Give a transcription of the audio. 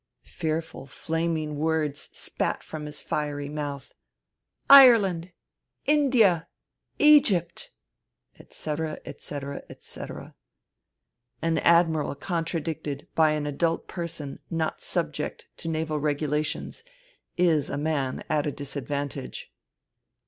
Fearful, flaming words spat from his fiery mouth. "Ireland. India. Egypt." Etc., etc., etc. An Admiral contradicted by an adult person not subject to Naval regulations is a man at a disad vantage.